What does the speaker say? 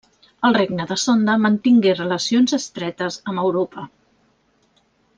El regne de Sonda mantingué relacions estretes amb Europa.